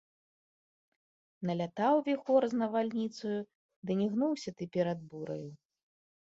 Налятаў віхор з навальніцаю, ды не гнуўся ты перад бураю!..